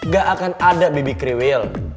ga akan ada baby krewil